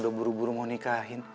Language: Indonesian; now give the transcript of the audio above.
udah buru buru mau nikahin